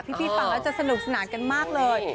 พี่ฟังแล้วจะสนุกสนานกันมากเลย